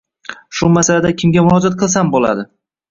Shu masalalada kimga murojaat qilsam bo‘ladi?